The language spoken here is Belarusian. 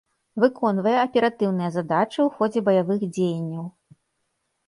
Выконвае аператыўныя задачы ў ходзе баявых дзеянняў.